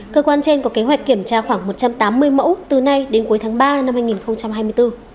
cơ quan trên có kế hoạch kiểm tra khoảng một trăm tám mươi mẫu từ nay đến cuối tháng ba năm hai nghìn hai mươi bốn